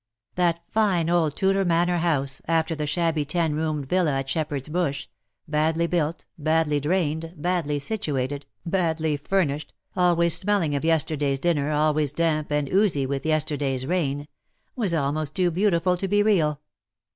That fine old Tudor manor house^ after the shabby ten roomed villa at Shepherd^s Bush — badly built_, badly drained^ badly situated, badly furnished, alwajs smelling of yesterday's dinner,, always damp and oozy with yesterday^s rain — was almost too beautiful to be real.